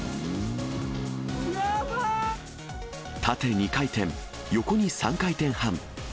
縦２回転、横に３回転半。